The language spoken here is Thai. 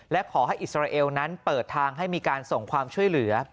และขอให้อิสราเอลนั้นเปิดทางให้มีการส่งความช่วยเหลือ